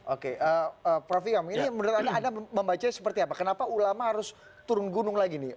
oke prof ikam ini menurut anda anda membacanya seperti apa kenapa ulama harus turun gunung lagi nih